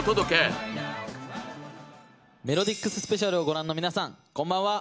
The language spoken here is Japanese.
「ＭｅｌｏｄｉＸ！スペシャル」をご覧の皆さんこんばんは。